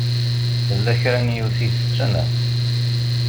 Tella kra n yiwet i itetten.